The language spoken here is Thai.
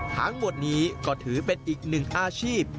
ทั้งหมดนี้ก็ถือเป็นอีกหนึ่งอาชีพ